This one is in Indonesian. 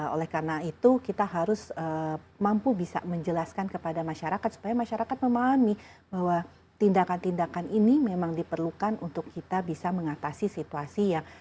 oleh karena itu kita harus mampu bisa menjelaskan kepada masyarakat supaya masyarakat memahami bahwa tindakan tindakan ini memang diperlukan untuk kita bisa mengatasi situasi yang